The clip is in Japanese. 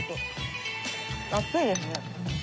熱いですね。